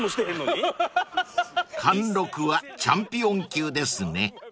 ［貫禄はチャンピオン級ですね］